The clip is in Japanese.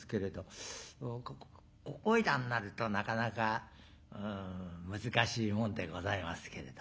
ここいらになるとなかなか難しいもんでございますけれど。